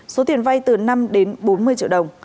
số tiền vay từ năm đến bốn mươi triệu đồng